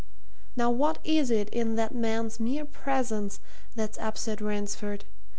"Now what is it in that man's mere presence that's upset Ransford?